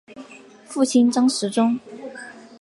父亲张时中。